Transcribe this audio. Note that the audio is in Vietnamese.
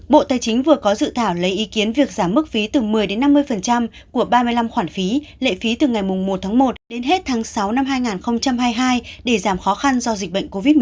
bộ tài chính vừa có dự thảo lấy ý kiến việc giảm mức phí từ một mươi đến năm mươi của ba mươi năm khoản phí lệ phí từ ngày một tháng một đến hết tháng sáu năm hai nghìn hai mươi hai để giảm khó khăn do dịch bệnh covid một mươi chín